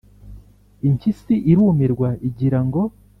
” Impyisi irumirwa igirango